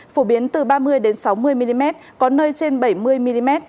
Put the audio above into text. phổ biến từ ba mươi sáu mươi mm có nơi trên bảy mươi mm